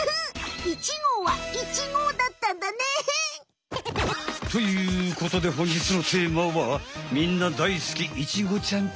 「１号」は「イチゴ」だったんだね。ということでほんじつのテーマはみんなだいすきイチゴちゃんち。